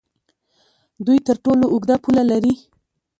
دوی تر ټولو اوږده پوله لري.